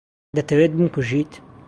دەتەوێت بمکوژیت؟